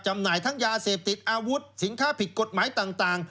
จำหน่ายทั้งยาเสพติดอาวุธสินค้าผิดกฎหมายต่าง